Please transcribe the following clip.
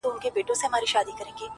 د ځناورو په خوني ځنگل کي،